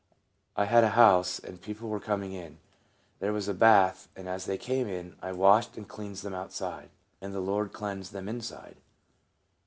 I had a house, and people were coming in. There was a bath, and as they came in I washed and cleansed them outside, and the Lord cleansed them inside.